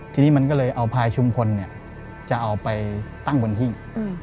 ทีนี้มันก็เลยเอาพายชุมพลจะเอาไปตั้งบนหิ้ง